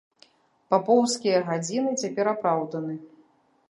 Папоўскія гадзіны цяпер апраўданы.